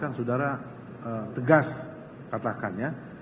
apa yang saudara sampaikan saudara tegas katakan ya